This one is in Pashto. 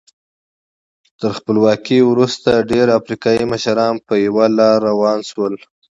تر خپلواکۍ وروسته ډېری افریقایي مشران په یوه لار روان شول.